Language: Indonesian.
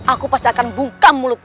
aku pasti akan buka mulutmu